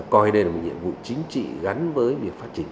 coi đây là nhiệm vụ chính trị gắn với việc phát trình